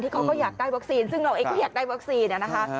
เขาก็อยากได้วัคซีนซึ่งเราเองก็อยากได้วัคซีนนะคะ